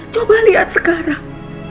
coba lihat sekarang